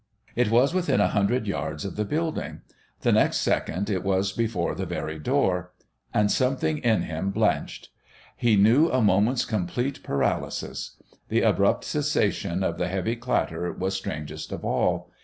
It was within a hundred yards of the building. The next second it was before the very door. And something in him blenched. He knew a moment's complete paralysis. The abrupt cessation of the heavy clatter was strangest of all.